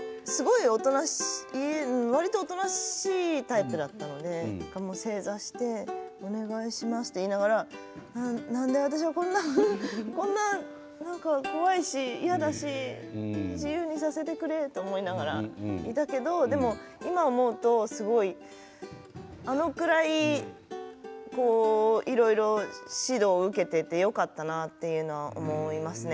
わりとおとなしいタイプだったので正座してお願いしますって言いながらなんで私がこんな、怖いし嫌だし自由にさせてくれと思いながらいたけど今、思うとすごい、あのくらいいろいろ指導を受けていてよかったなと思いますね。